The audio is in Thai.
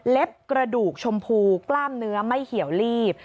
กระดูกชมพูกล้ามเนื้อไม่เหี่ยวลีบ